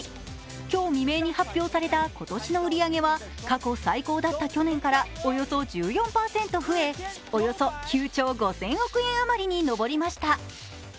今日未明に発表された今年の売り上げは過去最高だった去年からおよそ１４％増え、およそ９兆５０００億円余りに上りました。